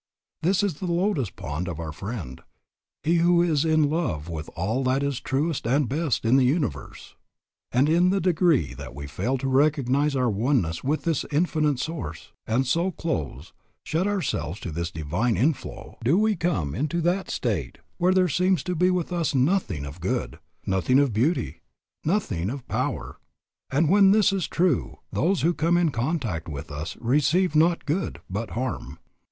This is the lotus pond of our friend, he who is in love with all that is truest and best in the universe. And in the degree that we fail to recognize our oneness with this Infinite Source, and so close, shut ourselves to this divine inflow, do we come into that state where there seems to be with us nothing of good, nothing of beauty, nothing of power; and when this is true, those who come in contact with us receive not good, but harm.